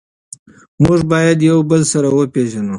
موږ باید یو بل سره وپیژنو.